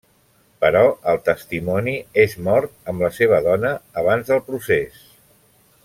Però el testimoni és mort amb la seva dona abans del procés.